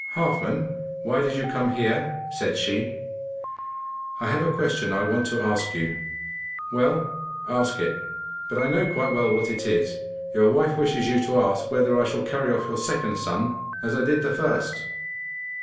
'Halfman, why did you come here?' said she. 'I have a question I want to ask you.' 'Well, ask it; but I know quite well what it is. Your wife wishes you to ask whether I shall carry off your second son as I did the first.